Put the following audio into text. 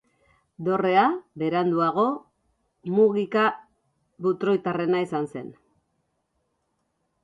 Dorrea beranduago Mugika-Butroitarrena izan zen.